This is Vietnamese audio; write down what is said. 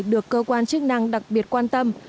được cơ quan chức năng đặc biệt quan tâm